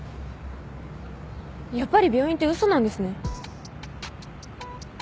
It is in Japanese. やっぱり病院って嘘なんですね。